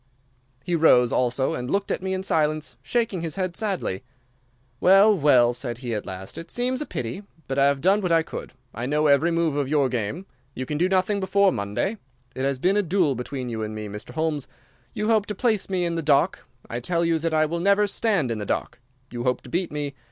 "He rose also and looked at me in silence, shaking his head sadly. "'Well, well,' said he, at last. 'It seems a pity, but I have done what I could. I know every move of your game. You can do nothing before Monday. It has been a duel between you and me, Mr. Holmes. You hope to place me in the dock. I tell you that I will never stand in the dock. You hope to beat me.